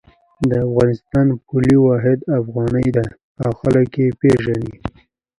د افغانستان پولي واحد افغانۍ ده او خلک یی پیژني